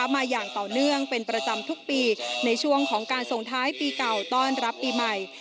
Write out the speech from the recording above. มาอย่างต่อเนื่องเป็นประจำทุกปีในช่วงของการส่งท้ายปีเก่าต้อนรับปีใหม่